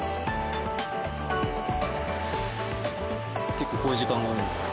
結構こういう時間が多いんですか？